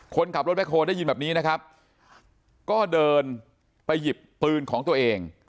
คนขับรถแบคโฮได้ยินแบบนี้นะครับก็เดินไปหยิบปืนของตัวเอง